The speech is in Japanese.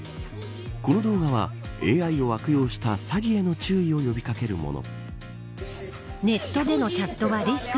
この動画はＡＩを悪用した詐欺への注意を呼び掛けるもの。